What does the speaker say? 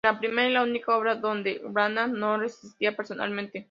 Es la primera y única obra donde Branagh no recita personalmente.